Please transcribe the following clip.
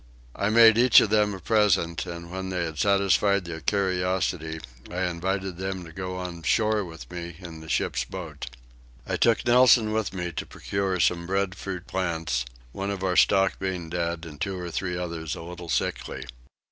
I made each of them a present, and when they had satisfied their curiosity I invited them to go on shore with me in the ship's boat. I took Nelson with me to procure some breadfruit plants, one of our stock being dead and two or three others a little sickly.